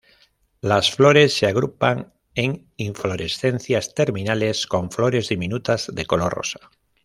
Las flores se agrupan en inflorescencias terminales con flores diminutas de color rosa.